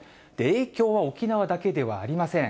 影響は沖縄だけではありません。